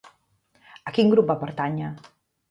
A quin grup va pertànyer?